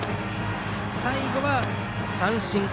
最後は三振。